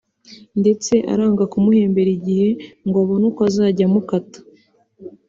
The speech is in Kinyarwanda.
ndetse uranga kumuhembera igihe ngo ubone uko uzajya umukata